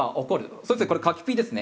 そうですねこれ柿ピーですね。